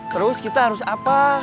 terus kita harus apa